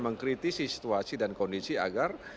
mengkritisi situasi dan kondisi agar